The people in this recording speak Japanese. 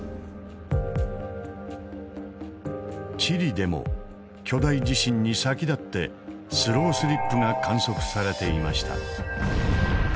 チリでも巨大地震に先立ってスロースリップが観測されていました。